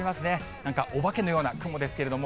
なんかお化けのような雲ですけれども。